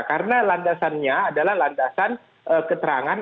karena landasannya adalah landasan keterangan